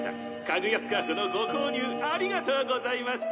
「かぐやスカーフのご購入ありがとうございます」